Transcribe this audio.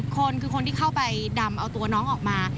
คนคือคนที่เข้าไปดำเอาตัวน้องออกมา